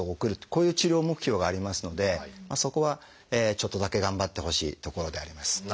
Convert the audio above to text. こういう治療目標がありますのでそこはちょっとだけ頑張ってほしいところではあります。